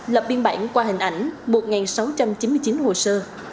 lập biên bản qua hình ảnh một sáu trăm chín mươi chín hồ sơ